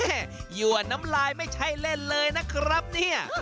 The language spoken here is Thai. ยั่วน้ำลายไม่ใช่เล่นเลยนะครับเนี่ย